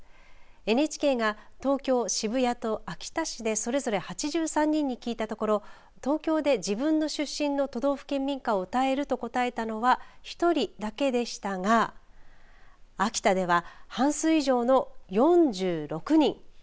ＮＨＫが東京渋谷と秋田市でそれぞれ８３人に聞いたところ東京で自分の出身の都道府県民歌を歌えると答えたのは１人だけでしたが秋田では半数以上の４６人。